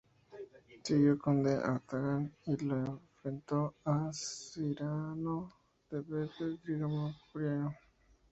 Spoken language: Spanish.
Siguió con d'Artagnan y lo enfrentó a Cyrano de Bergerac en "D'Artagnan contra Cyrano".